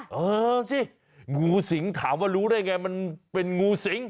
เออสิงูสิงถามว่ารู้ได้ไงมันเป็นงูสิง